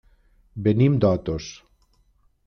Venim d'Otos.